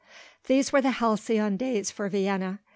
These were halcyon days for Vienna.